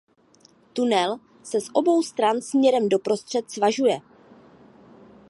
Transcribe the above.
Tunel se z obou stran směrem doprostřed svažuje.